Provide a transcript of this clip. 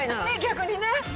逆にね！